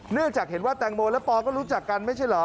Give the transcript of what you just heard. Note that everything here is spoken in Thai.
เนื่องจากเห็นว่าแตงโมและปอก็รู้จักกันไม่ใช่เหรอ